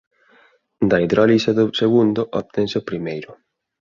Da hidrólise do segundo obtense o primeiro.